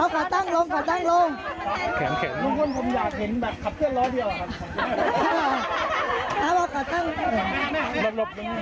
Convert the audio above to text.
แคล้งเสียงเอาขาตั้งลงขาตั้งลง